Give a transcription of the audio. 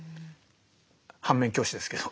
反面教師ですけど。